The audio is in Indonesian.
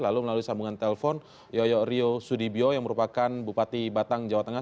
lalu melalui sambungan telpon yoyo ryo sudibyo yang merupakan bupati batang jawa tengah